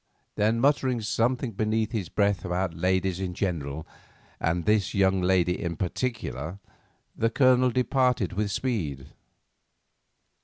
Then muttering something beneath his breath about ladies in general and this young lady in particular, the Colonel departed with speed.